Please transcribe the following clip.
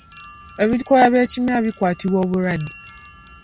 Ebikoola by'ekimera bikwatiddwa obulwadde.